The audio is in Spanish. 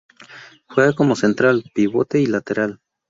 Juega como central, pivote, y lateral.